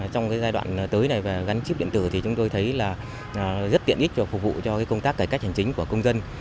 trong giai đoạn tới này và gắn chip điện tử thì chúng tôi thấy là rất tiện ích cho phục vụ cho công tác cải cách hành chính của công dân